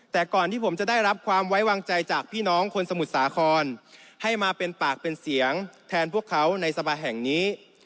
แต่ก่อนที่ผมจะได้รับความไว้วางใจจากพี่น้องคนสมุทรสาครให้มาเป็นปากเป็นเสียงแทนพวกเขาในสภาแห่งนี้